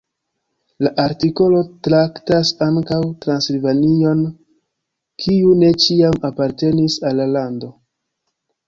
La artikolo traktas ankaŭ Transilvanion, kiu ne ĉiam apartenis al la lando.